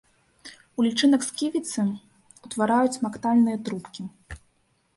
У лічынак сківіцы ўтвараюць смактальныя трубкі.